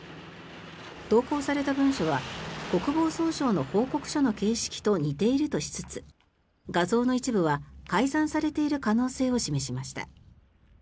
投稿された文書は国防総省の報告書の形式と似ているとしつつ画像の一部は改ざんされている可能性を示しました。